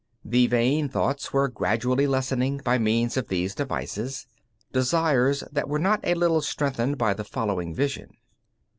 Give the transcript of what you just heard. The vain thoughts were gradually lessened by means of these desires desires that were not a little strengthened by the following vision.